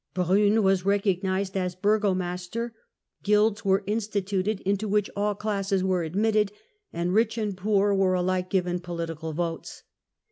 106 THE END OF THE MIDDLE AGE Brun was recognised as Burgomaster, guilds were insti tuted into which all classes were admitted, and rich and poor were alike given political votes.